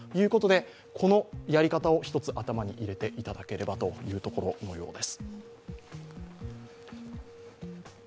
このやり方を一つ頭に入れていただければということのようです。